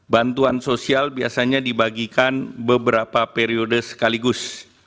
bantuan sosial biasanya dibagikan beberapa periode sekaligus